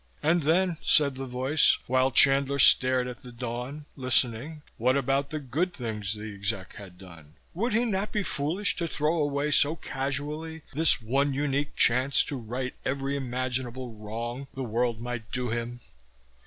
And then, said the voice, while Chandler stared at the dawn, listening, what about the good things the exec had done? Would he not be foolish to throw away so casually this one, unique chance to right every imaginable wrong the world might do him?